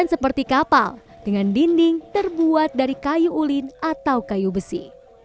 seperti kapal dengan dinding terbuat dari kayu ulin atau kayu besi